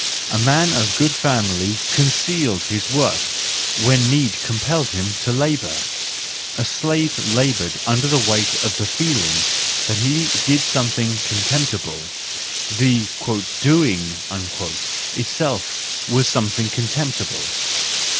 A man of good family concealed his work when need compelled him to labour. The slave laboured under the weight of the feeling that he did something contemptible:— the "doing" itself was something contemptible.